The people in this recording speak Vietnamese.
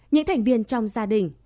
những thành viên trong gia đình